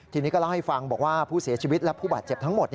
ทีนี้ก็เล่าให้ฟังบอกว่าผู้เสียชีวิตและผู้บาดเจ็บทั้งหมด